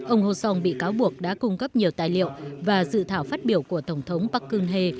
ông hô song bị cáo buộc đã cung cấp nhiều tài liệu và dự thảo phát biểu của tổng thống park geun hye